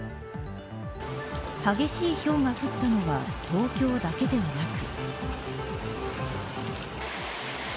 激しいひょうが降ったのは東京だけではなく。